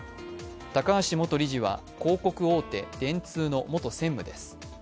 高橋元理事は、広告大手、電通の元専務です。